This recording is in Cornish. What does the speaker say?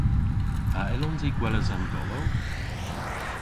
A yllons i gweles an golow?